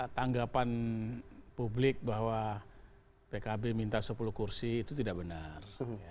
tanggapan publik bahwa pkb minta sepuluh kursi itu tidak benar